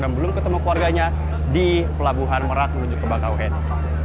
dan belum ketemu keluarganya di pelabuhan merak menuju ke bakauheni